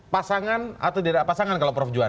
pasangan atau tidak pasangan kalau prof juan